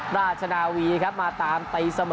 ราชนาวีครับมาตามตีเสมอ